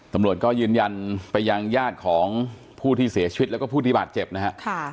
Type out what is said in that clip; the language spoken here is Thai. ตำรวจก็ยืนยันไปยังญาติของผู้ที่เสียชีวิตแล้วก็ผู้ที่บาดเจ็บนะฮะ